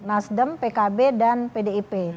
nasdem pkb dan pdip